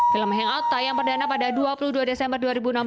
film hangout tayang perdana pada dua puluh dua desember dua ribu enam belas